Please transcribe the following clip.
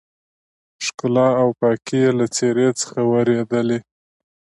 ښکلا او پاکي يې له څېرې څخه ورېدلې.